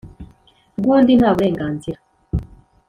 Rw undi nta burenganzira